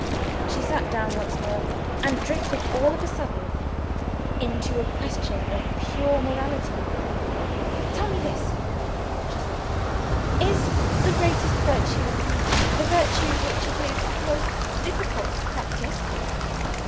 She sat down once more, and drifted all on a sudden into a question of pure morality. "Tell me this," she said. "Is the greatest virtue, the virtue which it is most difficult to practice?"